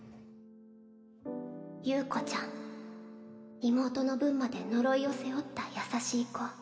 優子ちゃん妹の分まで呪いを背負った優しい子